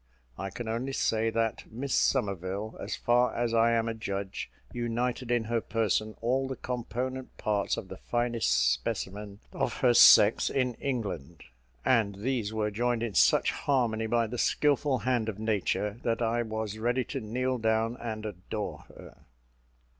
I can only say, that Miss Somerville, as far as I am a judge, united in her person all the component parts of the finest specimen of her sex in England; and these were joined in such harmony by the skilful hand of Nature, that I was ready to kneel down and adore her.